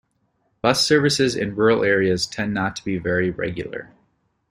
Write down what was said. Bus services in rural areas tend not to be very regular.